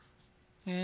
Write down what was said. え？